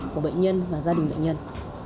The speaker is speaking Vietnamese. của bệnh nhân và gia đình bệnh nhân